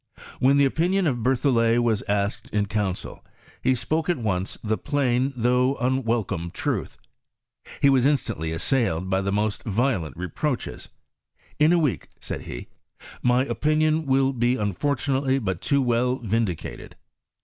When the opinion of Berthollet was asked in council, he spoke at once the plain, though unwelcome truth. He waa instantly assailed by the most violent reproaches. " In a week," said he, " my opinion will be unfortunately but too well vin dicated."